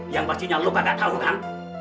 yang pastinya luka gak tau kan